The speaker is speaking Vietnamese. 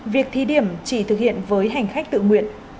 việc thí điểm chỉ thực hiện với hành khách tự nguyện